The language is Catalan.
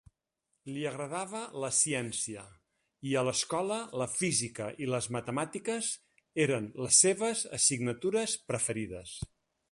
Li agradava la ciència, i a l'escola la física i les matemàtiques eren les seves assignatures preferides.